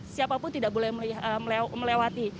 siapapun tidak boleh melewati